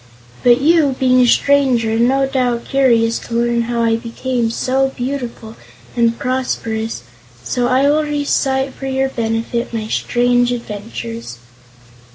But you, being a stranger, are no doubt curious to learn how I became so beautiful and prosperous, so I will recite for your benefit my strange adventures."